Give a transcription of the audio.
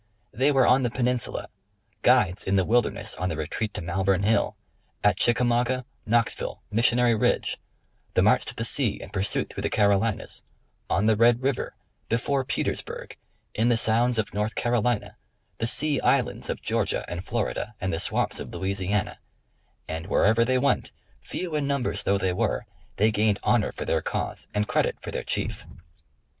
They were on the Peninsula, guides in the wildei'ness on the retreat to Malvern Hill ; at Chickamauga, Knoxville, Missionaiy Ridge ; the march to the Sea and pursuit through the Carolinas ; on the Red river ; before Petersburgh ; in the Sounds of North Carolina ; the Sea Islands of Georgia and Florida and the swamps of Louisiana ; and, wherever they went, few in numbers though they were, they gained honor for their cause and credit for their Chief.